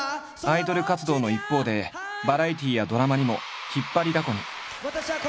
アイドル活動の一方でバラエティーやドラマにも引っ張りだこに。